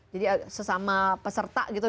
jadi sesama peserta gitu